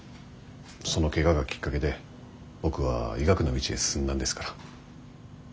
そのケガがきっかけで僕は医学の道へ進んだんですから。